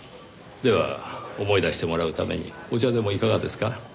では思い出してもらうためにお茶でもいかがですか？